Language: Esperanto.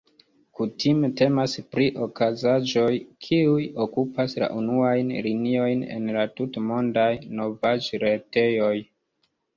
Kutime temas pri okazaĵoj, kiuj okupas la unuajn liniojn en la tutmondaj novaĵretejoj.